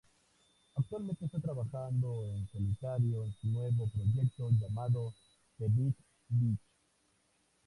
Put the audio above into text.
Actualmente está trabajando en solitario en su nuevo proyecto llamado The Big Bench.